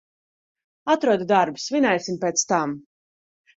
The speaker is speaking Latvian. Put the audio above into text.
Atrodi darbu, svinēsim pēc tam.